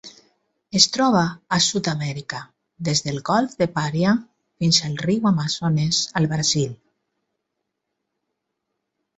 Es troba a Sud-amèrica: des del Golf de Paria fins al riu Amazones al Brasil.